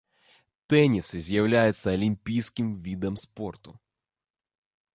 Тэніс з'яўляецца алімпійскім відам спорту.